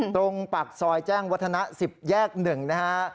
ตรงปากซอยแจ้งวัฒนะ๑๐แยก๑นะฮะ